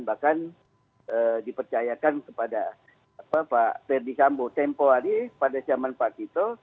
bahkan dipercayakan kepada pak ferdisambo tempo adi pada zaman pak tito